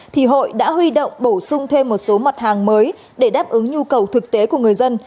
thì hội đã huy động bổ sung thêm một số mặt hàng mới để đáp ứng nhu cầu thực tế của người dân